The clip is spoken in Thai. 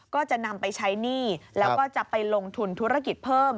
ก็จะนำไปใช้หนี้แล้วก็จะไปลงทุนธุรกิจเพิ่ม